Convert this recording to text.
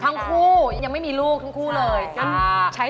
ทั้งคู่ยังไม่มีลูกทั้งคู่เลย